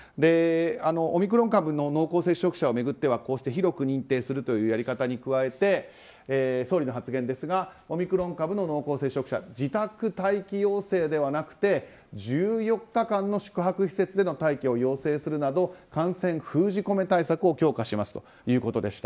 オミクロン株の濃厚接触者を巡ってはこうして広く認定するというやり方に加えて総理の発言ですがオミクロン株の濃厚接触者自宅待機要請ではなくて１４日間の宿泊施設での待機を要請するなど感染封じ込め対策を強化しますということでした。